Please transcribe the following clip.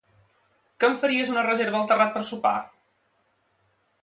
Què em faries una reserva al Terrat per sopar?